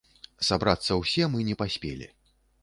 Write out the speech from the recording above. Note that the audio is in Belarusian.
Сабрацца ўсе мы не паспелі.